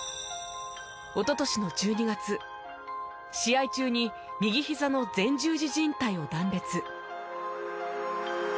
おととしの１２月試合中に右ひざの前十字靱帯を断裂。